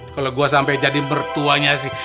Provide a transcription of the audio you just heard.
kalau gue sampai jadi mertuanya sih